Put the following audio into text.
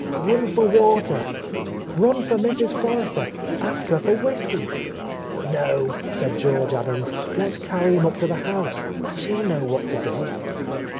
"Run for water 1" "Run for Mrs. Forrester! Ask her for whiskey." "No," said George Adams, "let's carry him up to the house. She will know what to do."